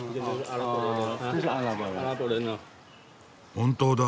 本当だ。